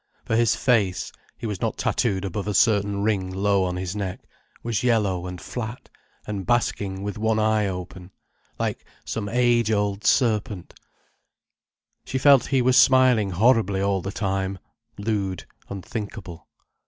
For his face—he was not tattooed above a certain ring low on his neck—was yellow and flat and basking with one eye open, like some age old serpent. She felt he was smiling horribly all the time: lewd, unthinkable.